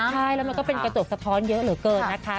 ใช่แล้วมันก็เป็นกระจกสะท้อนเยอะเหลือเกินนะคะ